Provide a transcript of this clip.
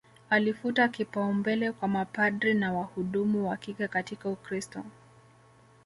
Alifuta kipaumbele kwa mapadri na wahudumu wa kike katika Ukristo